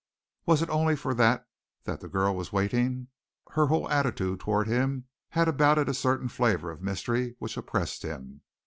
Was it only for that that the girl was waiting? Her whole attitude towards him had about it a certain flavor of mystery which oppressed him.